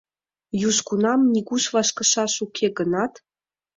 Южгунам нигуш вашкышаш уке гынат».